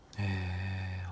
へえ。